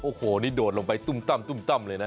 โอ้โหนี่โดดลงไปตุ้มตั้มเลยนะ